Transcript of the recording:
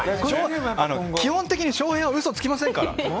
基本的に翔平は嘘つきませんから。